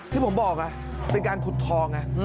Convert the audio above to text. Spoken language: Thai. ที่ผมบอกเป็นการขุดทอง